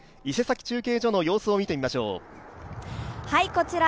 伊勢崎中継所の様子を見てみましょう。